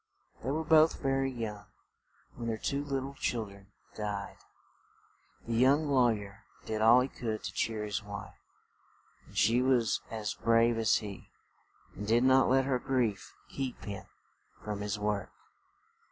They were both very young when their two lit tle chil dren died. The young law yer did all he could to cheer his wife; and she was as brave as he, and did not let her grief keep him from his work.